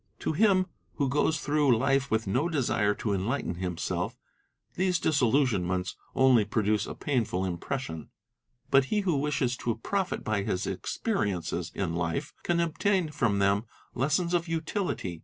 To him who goes through life with no desire to enlighten himself, these disillusionments only 'produce a painful impression; but he who wishes to profit by his ex periences in life can obtain from them lessons of utility.